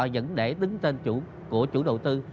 đứng tên của chủ đầu tư